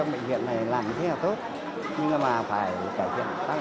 bệnh viện này làm như thế là tốt nhưng mà phải cải thiện